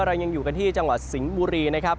เรายังอยู่กันที่จังหวัดสิงห์บุรีนะครับ